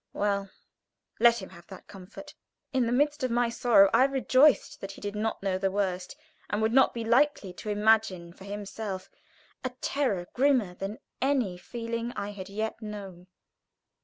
Well, let him have the comfort! In the midst of my sorrow I rejoiced that he did not know the worst, and would not be likely to imagine for himself a terror grimmer than any feeling I had yet known.